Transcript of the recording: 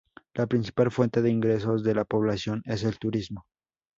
La principal fuente de ingresos de la población es el turismo.